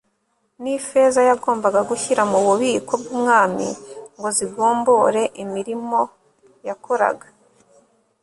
ni feza yagombaga gushyira mu bubiko bw'umwami, ngo zigombore imirimo yakoraga